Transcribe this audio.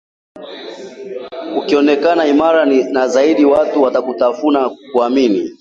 ukionekana imara na saidizi watu watakufuata na kukuamini